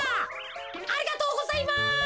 ありがとうございます。